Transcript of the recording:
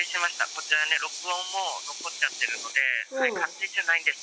こちらね、録音も残っちゃってるので、勝手じゃないんです。